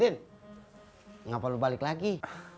din kenapa lu balik lagi